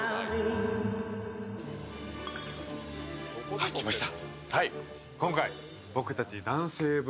はい、きました。